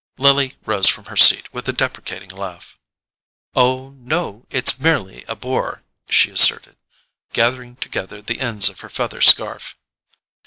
Lily rose from her seat with a deprecating laugh. "Oh, no—it's merely a bore," she asserted, gathering together the ends of her feather scarf.